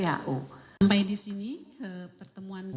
sampai disini pertemuan